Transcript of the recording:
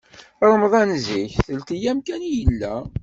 Ṛemḍan zik telt yam kan i yella.